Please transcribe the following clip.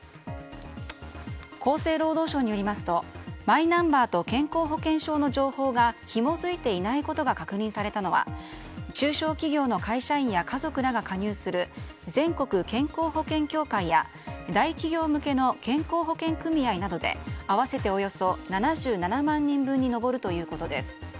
厚生労働省によりますとマイナンバーと健康保険証の情報がひも付いていないことが確認されたのは中小企業の会社員や家族らが加入する全国健康保険協会や大企業向けの健康保険組合などで合わせて、およそ７７万人分に上るということです。